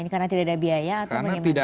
karena tidak ada biaya atau bagaimana